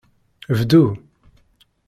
Bdu.